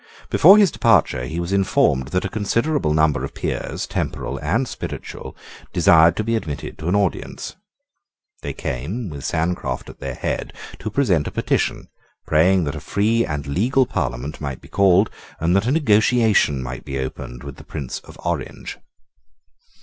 Before his departure he was informed that a considerable number of peers, temporal and spiritual, desired to be admitted to an audience. They came, with Sancroft at their head, to present a petition, praying that a free and legal Parliament might be called, and that a negotiation might be opened with the Prince of Orange.